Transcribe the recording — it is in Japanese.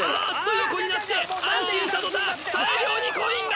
横になって安心したとたん大量にコインが！